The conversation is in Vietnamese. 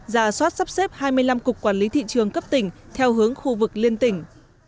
giả soát sắp xếp hai mươi năm cục quản lý thị trường cấp tỉnh theo hướng khu vực liên tỉnh